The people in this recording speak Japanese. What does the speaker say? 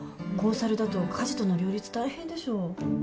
コンサルだと家事との両立大変でしょう？